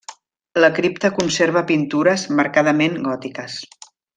La cripta conserva pintures marcadament gòtiques.